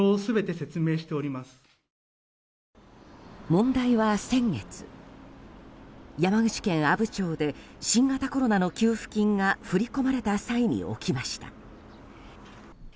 問題は先月、山口県阿武町で新型コロナの給付金が振り込まれた際に起きました。